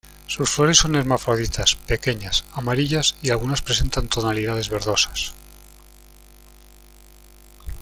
Sus flores son hermafroditas, pequeñas, amarillas y algunas presentan tonalidades verdosas.